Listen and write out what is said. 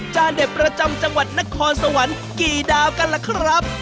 เด็ดประจำจังหวัดนครสวรรค์กี่ดาวกันล่ะครับ